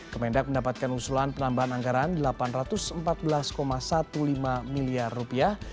kemendak mendapatkan usulan penambahan anggaran delapan ratus empat belas lima belas miliar rupiah